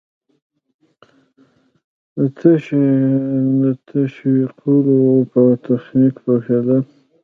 د تشویقولو په تخنیک پوهېدل.